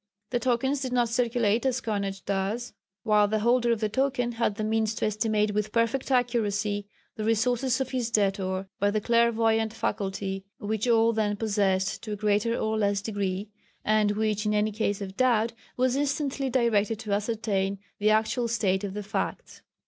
The tokens did not circulate as coinage does, while the holder of the token had the means to estimate with perfect accuracy the resources of his debtor by the clairvoyant faculty which all then possessed to a greater or less degree, and which in any case of doubt was instantly directed to ascertain the actual state of the facts.